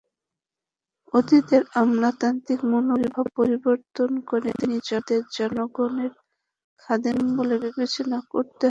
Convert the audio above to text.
অতীতের আমলাতান্ত্রিক মনোভাব পরিবর্তন করে নিজেদের জনগণের খাদেম বলে বিবেচনা করতে হবে।